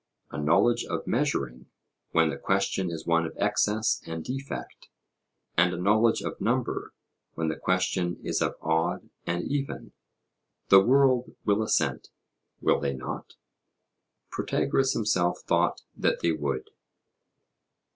a knowledge of measuring, when the question is one of excess and defect, and a knowledge of number, when the question is of odd and even? The world will assent, will they not? Protagoras himself thought that they would.